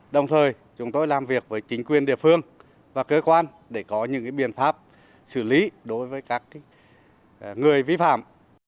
đồng thời chúng tôi làm việc với chính quyền địa phương và cơ quan để có những biện pháp xử lý đối với các người vi phạm